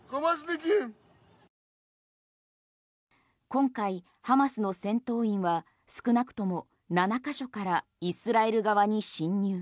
今回、ハマスの戦闘員は少なくとも７か所からイスラエル側に侵入。